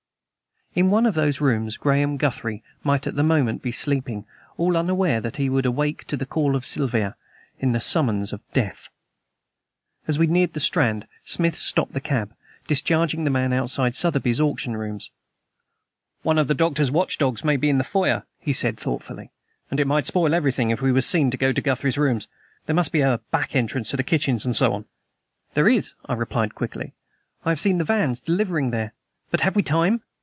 In one of those rooms Graham Guthrie might at that moment be sleeping, all unaware that he would awake to the Call of Siva, to the summons of death. As we neared the Strand, Smith stopped the cab, discharging the man outside Sotheby's auction rooms. "One of the doctor's watch dogs may be in the foyer," he said thoughtfully, "and it might spoil everything if we were seen to go to Guthrie's rooms. There must be a back entrance to the kitchens, and so on?" "There is," I replied quickly. "I have seen the vans delivering there. But have we time?"